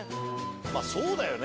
まあそうだよね。